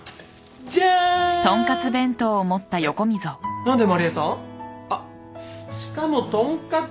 何で麻理恵さん？あっしかもとんかつ！